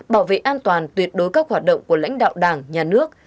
bảo vệ an toàn tuyệt đối các hoạt động của lãnh đạo đảng nhà nước